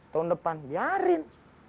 tahun depan biarin